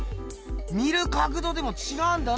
見る角度でもちがうんだな。